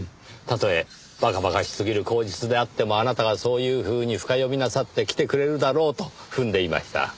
たとえ馬鹿馬鹿しすぎる口実であってもあなたがそういうふうに深読みなさって来てくれるだろうと踏んでいました。